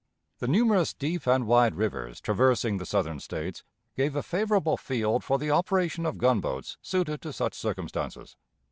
The numerous deep and wide rivers traversing the Southern States gave a favorable field for the operation of gunboats suited to such circumstances.